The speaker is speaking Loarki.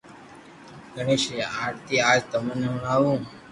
گڻآݾ ري آرتي آج تموني ھڻاو